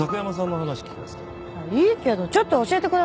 いいけどちょっとは教えてくださいよ